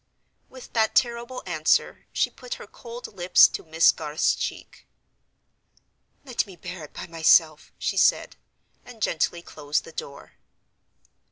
With that terrible answer, she put her cold lips to Miss Garth's cheek. "Let me bear it by myself," she said, and gently closed the door.